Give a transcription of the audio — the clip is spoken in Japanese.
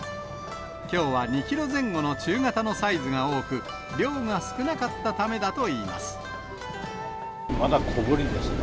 きょうは２キロ前後の中型のサイズが多く、量が少なかったためだまだ小ぶりですね。